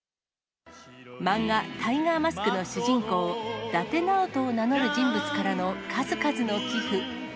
漫画、タイガーマスクの主人公、伊達直人を名乗る人物からの数々の寄付。